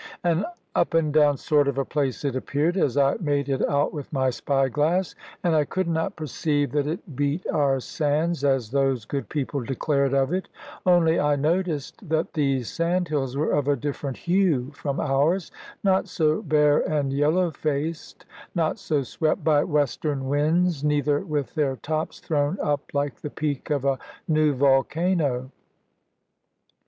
An up and down sort of a place it appeared, as I made it out with my spy glass; and I could not perceive that it beat our sands, as those good people declared of it. Only I noticed that these sandhills were of a different hue from ours. Not so bare and yellow faced, not so swept by western winds, neither with their tops thrown up like the peak of a new volcano.